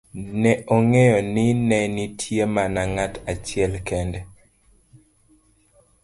ne ong'eyo ni ne nitie mana ng'at achiel kende